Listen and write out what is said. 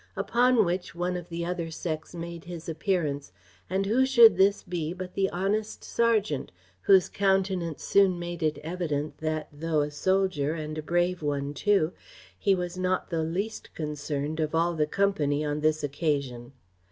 Upon which one of the other sex made his appearance: and who should this be but the honest serjeant? whose countenance soon made it evident that, though a soldier, and a brave one too, he was not the least concerned of all the company on this occasion.